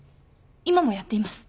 今もやっています。